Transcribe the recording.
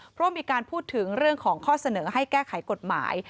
เพราะว่ามีการพูดถึงเรื่องของข้อเสนอให้แก้ไขกฎหมาย